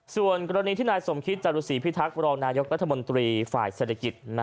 ส่วนกรณีที่นายสมคิตจรุษีพิทักษ์รองนายกรัฐมนตรีฝ่ายเศรษฐกิจ